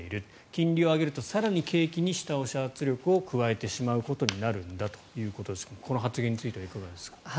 金利を上げると更に景気に下押し圧力を加えてしまうだということですがこの発言についてはいかがですか？